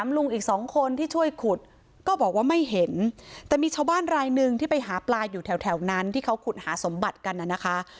มีชาวบ้านรายนึงที่ไปหาปลายอยู่แถวนั้นที่เขาขุดหาสมบัติกันน่ะนะคะ